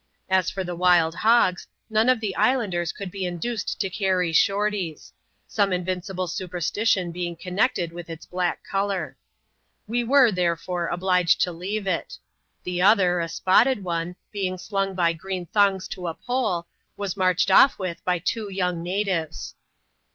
As for the wild hogs, none of the islanders could be induced to carry Shorty's ; some invincible superstition being connected with its black colour. We were, therefore, obliged to leave it. The other, a spotted one, being slung by green thongs to a pole, was marched off with by two young natives.